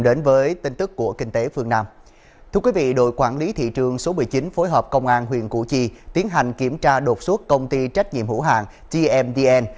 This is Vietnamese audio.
đội quản lý thị trường số một mươi chín phối hợp công an huyện củ chi tiến hành kiểm tra đột xuất công ty trách nhiệm hữu hạng tmdn